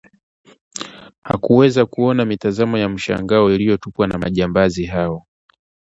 Hakuweza kuona mitazamo ya mshangao iliyotupwa na majambazi hao